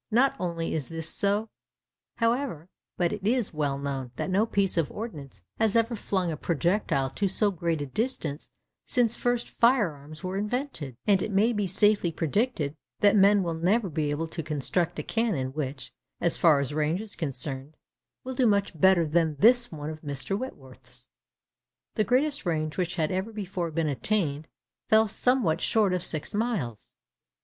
Not only is this so, however, but it is well known that no piece of ordnance has ever flung a projectile to so great a distance since first fire arms were invented; and it may be safely predicted that men will never be able to construct a cannon which—as far as range is concerned—will do much better than this one of Mr. Whitworth's. The greatest range which had ever before been attained fell somewhat short of six miles.